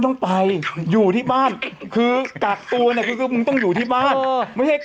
หมายถึงว่าเราจะนั่งอ่านด้วยกัน